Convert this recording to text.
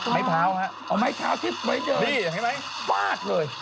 ไม้เท้านะอ๋อไม๊เท้าทริปวันเดือน